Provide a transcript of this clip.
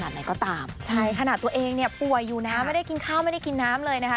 ที่หลายคนแทบให้หมดใจเลย